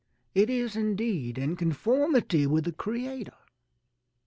It is, indeed, in conformity with the Creator.